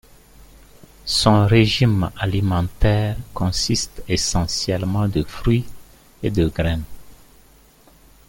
Son régime alimentaire consiste essentiellement de fruits et de graines.